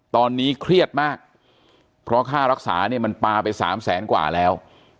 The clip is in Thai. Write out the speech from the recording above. ตอนนี้เครียดมากเพราะค่ารักษาเนี่ยมันปลาไปสามแสนกว่าแล้ว